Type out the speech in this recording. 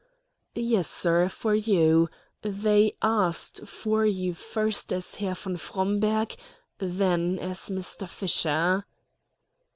"Yes, sir, for you. They asked for you first as Herr von Fromberg, then as Mr. Fisher."